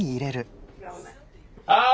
ああ！